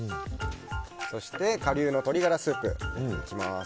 そして顆粒鶏ガラスープを入れていきます。